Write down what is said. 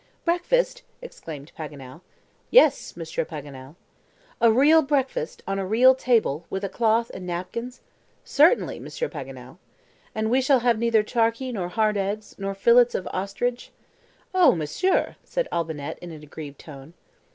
"Breakfast!" exclaimed Paganel. "Yes, Monsieur Paganel." "A real breakfast, on a real table, with a cloth and napkins?" "Certainly, Monsieur Paganel." "And we shall neither have CHARQUI, nor hard eggs, nor fillets of ostrich?" "Oh, Monsieur," said Olbinett in an aggrieved tone.